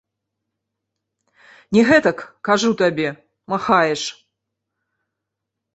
Не гэтак, кажу табе, махаеш!